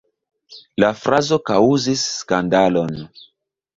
La frazo kaŭzis skandalon.